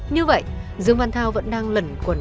như vậy dương quan thao vẫn đang lẩn quẩn